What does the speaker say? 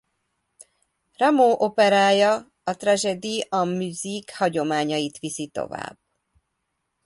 Rameau operája a tragédie en musique hagyományait viszi tovább.